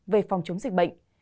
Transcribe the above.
về phòng chống dịch bệnh